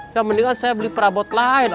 yang mendingan saya beli perabot lain